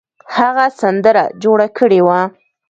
هغه سندره جوړه کړې وه.